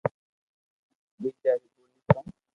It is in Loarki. ٻآجا ري ٻولي ڪاو